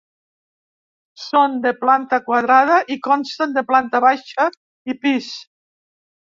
Són de planta quadrada i consten de planta baixa i pis.